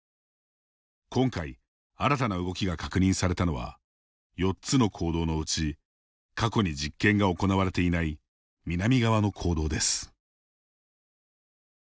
今回、新たな動きが確認されたのは、４つの坑道のうち過去に実験が行われていない南側の坑道です。